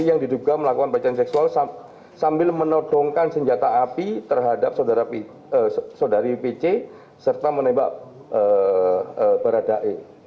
yang diduga melakukan pelecehan seksual sambil menodongkan senjata api terhadap saudari pc serta menembak baradae